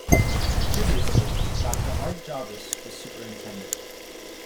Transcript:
Previously, Doctor Art Jarvis was superintendent.